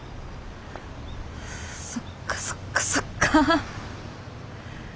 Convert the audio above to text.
そっかそっかそっか。